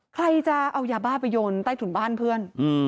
ใครจะเอายาบ้าไปโยนใต้ถุนบ้านเพื่อน